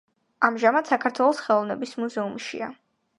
ამჟამად საქართველოს ხელოვნების მუზეუმშია.